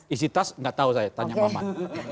isi tas enggak tahu saya tanya muhammad